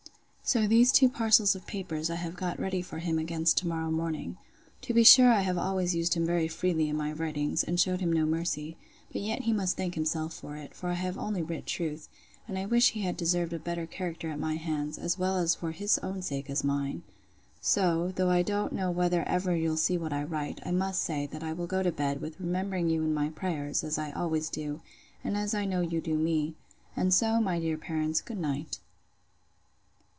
So these two parcels of papers I have got ready for him against to morrow morning. To be sure I have always used him very freely in my writings, and shewed him no mercy; but yet he must thank himself for it; for I have only writ truth; and I wish he had deserved a better character at my hands, as well for his own sake as mine.—So, though I don't know whether ever you'll see what I write, I must say, that I will go to bed, with remembering you in my prayers, as I always do, and as I know you do me: And so, my dear parents, good night.